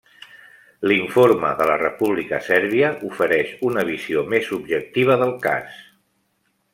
L'informe de la República Sèrbia ofereix una visió més objectiva del cas.